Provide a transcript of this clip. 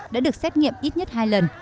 đã được xét nghiệm ít nhất hai lần